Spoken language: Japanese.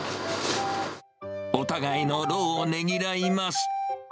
お互いの労をねぎらいます。